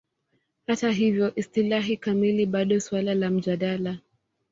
Hata hivyo, istilahi kamili bado suala la mjadala.